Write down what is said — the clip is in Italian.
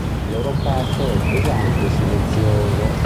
Il loro passo è pesante e silenzioso.